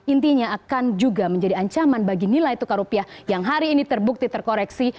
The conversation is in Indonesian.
intinya akan juga menjadi ancaman bagi nilai tukar rupiah yang hari ini terbukti terkoreksi